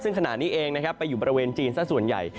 ซึ่งขณะนี้เองนะครับไปอยู่บริเวณจีนซะส่วนใหญ่